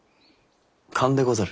勘でござる。